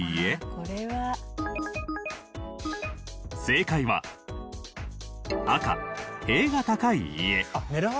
正解は赤塀が高い家。